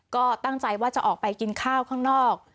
ก็ตั้งใจว่าจะออกไปกินข้าวข้างนอก